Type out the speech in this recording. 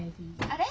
あれ？